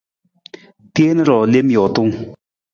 Teen ruu lem jootung.